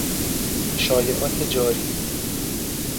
شایعات جاری